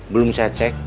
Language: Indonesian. belum saya cek